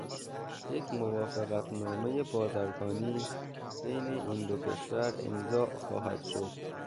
یک موافقت نامهٔ بازرگانی بین این دو کشور امضاء خواهد شد.